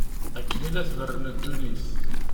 Akken i la tberren ddunit.